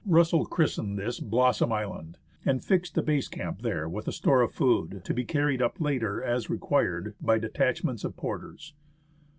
Russell christened this " Blossom Island," and fixed a base camp there with a store of food, to be carried up later as required by detachments of porters.